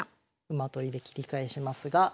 馬取りで切り返しますが。